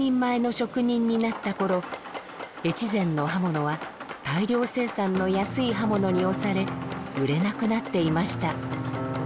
越前の刃物は大量生産の安い刃物に押され売れなくなっていました。